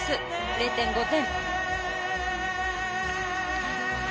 ０．５点。